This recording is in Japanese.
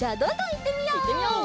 いってみよう！